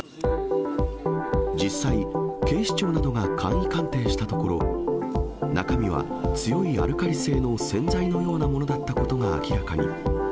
実際、警視庁などが簡易鑑定したところ、中身は強いアルカリ性の洗剤のようなものだったことが明らかに。